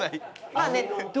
まあね。